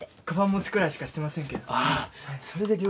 かばん持ちくらいしかしてませんけど。